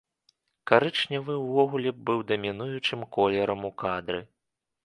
Карычневы ўвогуле быў дамінуючым колерам у кадры.